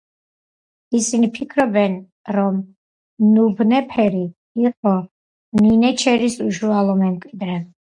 ისინი ფიქრობენ, რომ ნუბნეფერი იყო ნინეჩერის უშუალო მემკვიდრე.